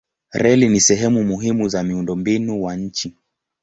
Reli ni sehemu muhimu za miundombinu wa nchi.